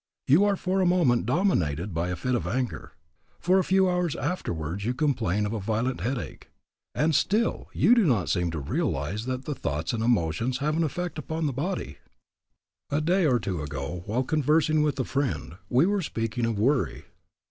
You are for a moment dominated by a fit of anger. For a few hours afterwards you complain of a violent headache. And still you do not seem to realize that the thoughts and emotions have an effect upon the body. A day or two ago, while conversing with a friend, we were speaking of worry.